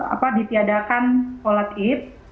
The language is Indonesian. apa ditiadakan sholat eid